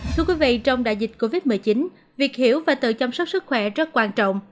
thưa quý vị trong đại dịch covid một mươi chín việc hiểu và tự chăm sóc sức khỏe rất quan trọng